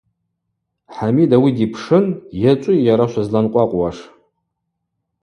Хӏамид ауи дипшын: – Йачӏвыйа йара швызланкъвакъвуаш?